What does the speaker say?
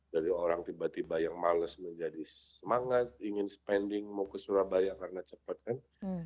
dari orang tiba tiba yang males menjadi semangat ingin spending mau ke surabaya karena cepat kan